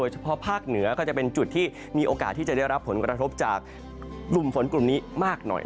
เฉพาะภาคเหนือก็จะเป็นจุดที่มีโอกาสที่จะได้รับผลกระทบจากกลุ่มฝนกลุ่มนี้มากหน่อย